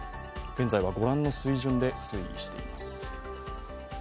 現在は御覧の水準で推移しています。